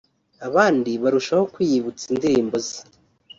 abandi barushaho kwiyibutsa indirimbo ze